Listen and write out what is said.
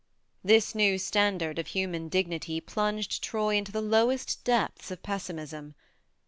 This new standard of human dignity plunged Troy into the lowest depths of pessimism.